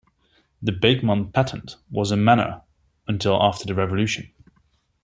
The Beekman Patent was a manor until after the Revolution.